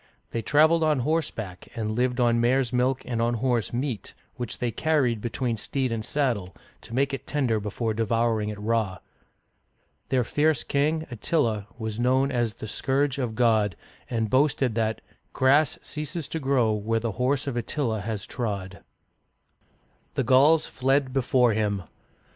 They traveled on horseback, and lived on mares* milk and on horse meat, which they carried between steed and saddle, to make it tender before devouring it raw. Their fierce king, At'tila, was known as the " Scourge of God," and boasted that "Grass ceases to grow where the horse of Attila has trod." • The Gauls fled before him.